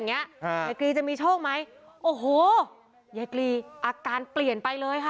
ถ้ายังไงจะมีชอบไหมโอ้โหยายกริย์ก้านเปลี่ยนไปเลยค่ะ